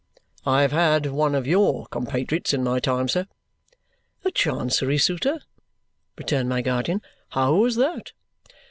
"I have had one of YOUR compatriots in my time, sir." "A Chancery suitor?" returned my guardian. "How was that?"